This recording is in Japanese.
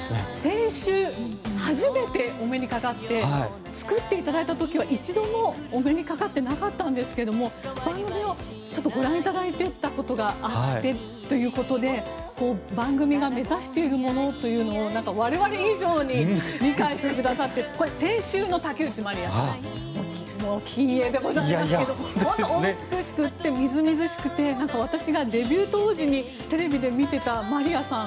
先週初めてお目にかかって作っていただいた時は一度もお目にかかっていなかったんですが番組をご覧いただいていたことがあってということで番組が目指しているものというのを我々以上に理解してくださってこれ、先週の竹内まりやさんの近影でございますけど本当にお美しくてみずみずしくて私がデビュー当時にテレビで見ていたまりやさん